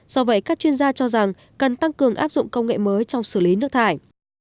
do vậy các chuyên gia cho rằng cần tăng cường áp dụng công nghệ mới trong xử lý nước thải